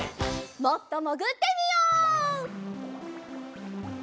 もっともぐってみよう。